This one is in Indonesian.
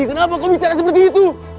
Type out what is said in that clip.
kenapa kau bisa ada seperti itu